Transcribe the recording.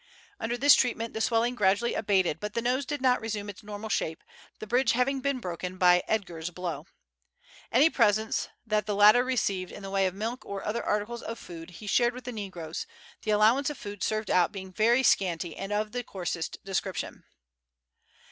Under this treatment the swelling gradually abated, but the nose did not resume its normal shape, the bridge having been broken by Edgar's blow. Any presents that the latter received in the way of milk or other articles of food he shared with the negroes, the allowance of food served out being very scanty and of the coarsest description.